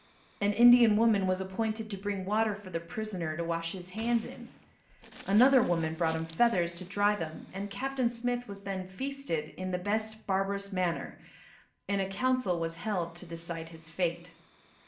An Indian woman was appointed to bring water for the prisoner to wash his hands in. Another woman brought him feathers to dry them and Captain Smith was then feasted in the "best barbarous manner," and a council was held to decide his fate.